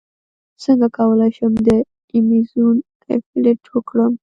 څنګه کولی شم د ایمیزون افیلیټ وکړم